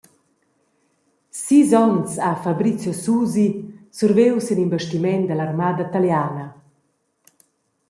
Sis onns ha Fabrizio Susi surviu sin in bastiment dalla armada taliana.